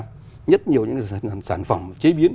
rất nhiều những cái sản phẩm chế biến